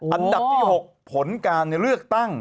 อันดับที่๖ผลการเลือกตั้ง